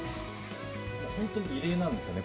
本当に異例なんですよね。